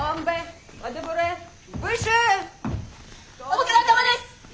お疲れさまです！